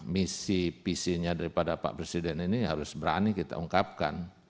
misi visinya daripada pak presiden ini harus berani kita ungkapkan